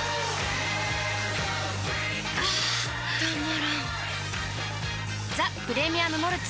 あたまらんっ「ザ・プレミアム・モルツ」